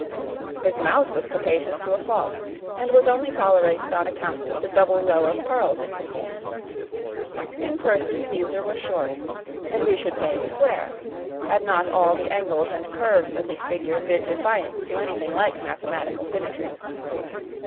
His mouth was capacious to a fault, and was only tolerated on account of the double row of pearls it contained. In person Caesar was short, and we should say square, had not all the angles and curves of his figure bid defiance to anything like mathematical symmetry.